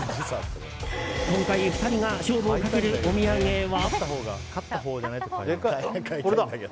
今回、２人が勝負をかけるお土産は。